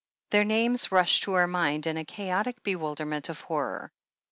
Their names rushed to her mind in a chaotic bewilderment of horror.